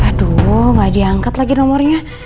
aduh gak diangkat lagi nomornya